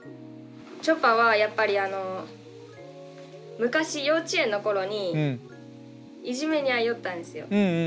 ちょぱはやっぱりあの昔幼稚園の頃にいじめに遭いよったんですよ。